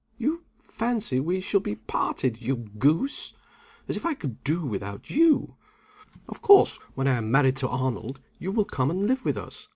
You fancy we shall be parted, you goose? As if I could do without you! Of course, when I am married to Arnold, you will come and live with us.